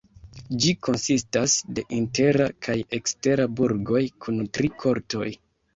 Ĝi konsistas de intera kaj ekstera burgoj kun tri kortoj.